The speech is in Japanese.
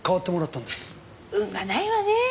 運がないわねえ。